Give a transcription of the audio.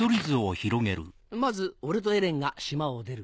まず俺とエレンが島を出る。